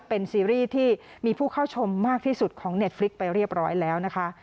เป็นซีรีส์ที่มีผู้เข้าชมมากที่สุดของเน็ตฟลิกไปเรียบร้อยแล้วนะคะ